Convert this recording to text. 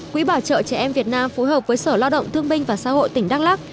quỹ bảo trợ trẻ em việt nam phối hợp với sở lao động thương binh và xã hội tỉnh đắk lắc